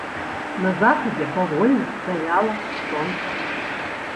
На захадзе павольна завяла сонца.